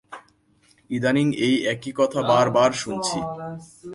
ইদানীং এই একই কথা বার-বার শুনছি।